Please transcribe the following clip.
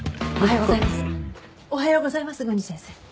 おはようございます郡司先生。